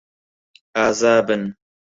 ئازا بن.